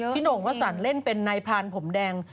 โหน่งก็สั่งเล่นเป็นนายพรานผมแดง